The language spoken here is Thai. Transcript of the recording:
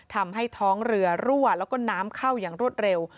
ทำให้ท้องเรือรั่วแล้วก็น้ำเข้าอย่างรวดเร็ว